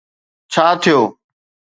ڇا ٿيو